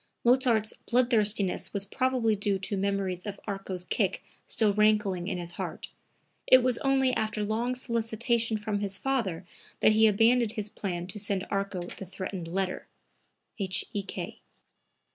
[Mozart's bloodthirstiness was probably due to memories of Arco's kick still rankling in his heart. It was only after long solicitation from his father that he abandoned his plan to send Arco the threatened letter. H.E.K.